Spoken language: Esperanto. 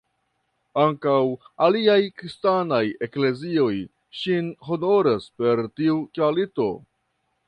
Ankaŭ aliaj kristanaj eklezioj ŝin honoras per tiu kvalito.